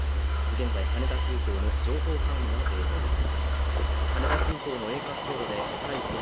現在羽田空港の情報関連の映像です。